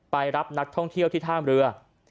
ไปรับนักท่องเที่ยวที่ท่ามเรือ